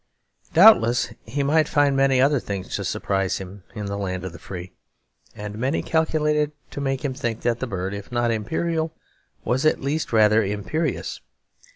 Doubtless, he might find many other things to surprise him in the land of the free, and many calculated to make him think that the bird, if not imperial, was at least rather imperious.